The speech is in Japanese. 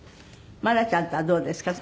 愛菜ちゃんとはどうですか？